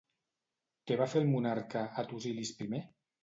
Què va fer el monarca Hattusilis I?